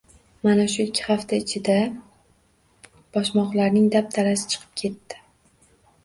Mana shu ikki hafta ichida boshmoqlarning dabdalasi chiqib ketdi